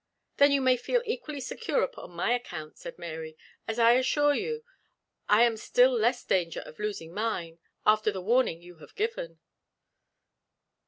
"Then you may feel equally secure upon my account," said Mary, "as I assure you I am still less danger of losing mine, after the warning you have given."